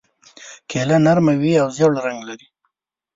کیله نرمه وي او ژېړ رنګ لري.